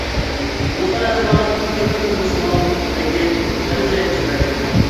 بۇ خىل ئەھۋال كۆپ كۆرۈلمىسىمۇ، لېكىن خىلى جايدا ئۇچرايدۇ.